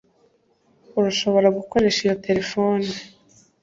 urashobora gukoresha iyo terefone